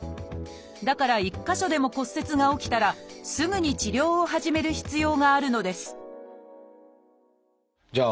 だから１か所でも骨折が起きたらすぐに治療を始める必要があるのですじゃあ